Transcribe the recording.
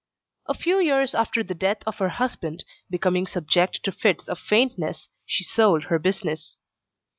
A few years after the death of her husband, becoming subject to fits of faintness, she sold her business.